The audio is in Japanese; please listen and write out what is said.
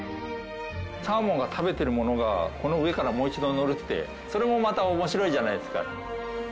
サーモンが食べてるものがこの上からもう一度のるってそれもまた面白いじゃないですか。